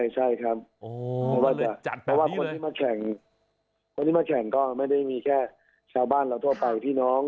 ใช่ครับเพราะคนที่มาแข่งก็ไม่ได้มีแค่ชาวบ้านเราทั่วไปที่น้อง